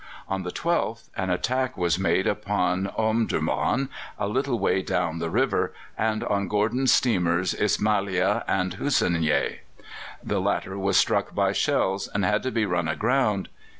On the 12th an attack was made upon Omdurman, a little way down the river, and on Gordon's steamers Ismailia and Hussineyeh. The latter was struck by shells, and had to be run aground.